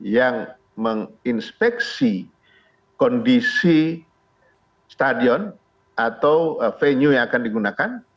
yang menginspeksi kondisi stadion atau venue yang akan digunakan